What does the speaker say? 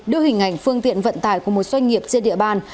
đưa hình ảnh phương tiện vận tải của một doanh nghiệp trên địa bàn